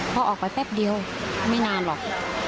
พอออกไปแป๊บเดียวไม่นานหรอก